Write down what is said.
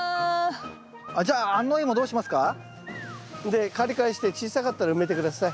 じゃあ安納いもどうしますか？でかりかりして小さかったら埋めて下さい。